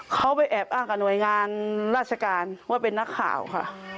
เขาไปแอบอ้างกับหน่วยงานราชการว่าเป็นนักข่าวค่ะ